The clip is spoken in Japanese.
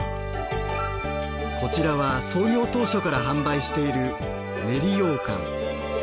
こちらは創業当初から販売している練りようかん。